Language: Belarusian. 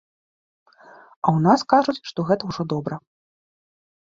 А ў нас кажуць, што гэта ўжо добра.